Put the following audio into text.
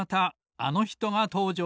あのひとがとうじょう。